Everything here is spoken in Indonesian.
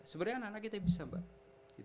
sebenarnya anak anak kita bisa mbak